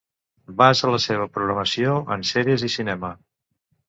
Basa la seva programació en sèries i cinema.